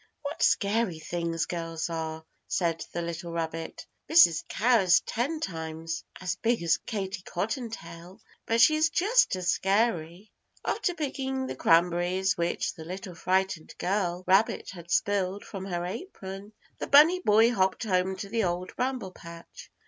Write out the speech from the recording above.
What scary things girls are!" said the little rabbit. "Mrs. Cow's ten times as big as Katie Cottontail, but she's just as scary." After picking up the cranberries which the little frightened girl rabbit had spilled from her apron, the bunny boy hopped home to the Old Bramble Patch.